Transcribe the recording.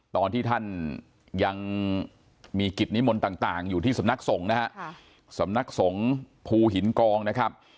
ตอนที่ท่านยังมีกิจนิ้มนต่างอยู่ที่สำนักสงศ์นะ